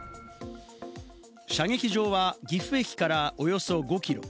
射撃場は岐阜駅からおよそ５キロ。